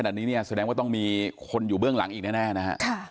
แบบนี้เนี่ยแสดงว่าต้องมีคนอยู่เบื้องหลังอีกแน่นะฮะ